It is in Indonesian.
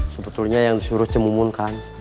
sebetulnya yang disuruh cemumun kan